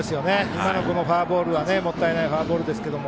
今のフォアボールはもったいないフォアボールですが。